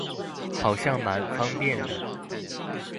好像滿方便的